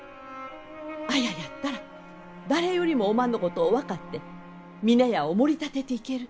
綾やったら誰よりもおまんのことを分かって峰屋をもり立てていける。